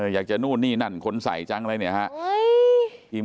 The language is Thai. อยากจะนู่นนี่นั่นคนใสจังเลยเนี่ย